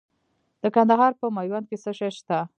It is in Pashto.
د کندهار په میوند کې څه شی شته؟